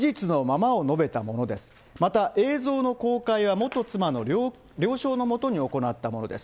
また、映像の公開は元妻の了承のもとに行ったものです。